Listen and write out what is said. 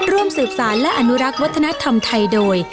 ร่วมสืบสารและอนุรักษ์วัฒนธรรมไทยโดย